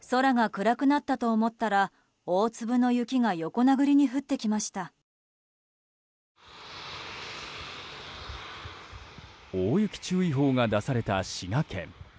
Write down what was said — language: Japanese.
大雪注意報が出された滋賀県。